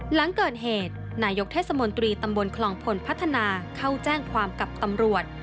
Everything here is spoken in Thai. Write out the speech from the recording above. หลังเกิดเหตุนายกเทศมนตรีตำบลคลองพลพัฒนาเข้าแจ้งความกับตำรวจ